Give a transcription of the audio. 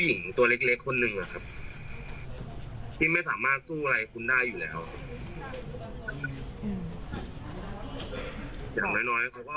ต้องโทรไปถามแฟน